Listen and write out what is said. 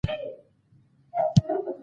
نن مې له سهاره سر را باندې دروند دی.